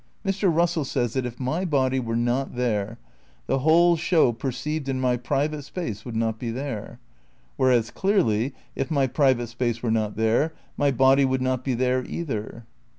Mr. Eussell says that if my body were not there the whole show perceived in my private space would not be there: whereas, clearly, if my private space were not there my body would not be there either.